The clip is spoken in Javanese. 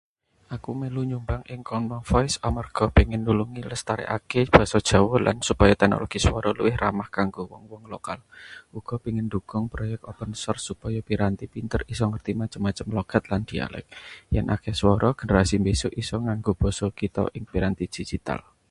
Aku melu nyumbang ing Common Voice amarga pengin nulungi lestarekake basa Jawa lan supaya teknologi swara luwih ramah kanggo wong-wong lokal. Uga pengin ndhukung proyek open-source supaya piranti pinter isa ngerti macem-macem logat lan dialek. Yen akeh swara, generasi mbesuk isa nganggo basa kita ing piranti digital.